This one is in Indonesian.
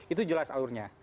itu jelas alurnya